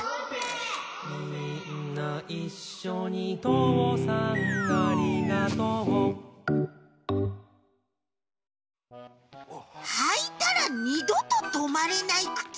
「みーんないっしょにとうさんありがとう」はいたらにどととまれないくつ！？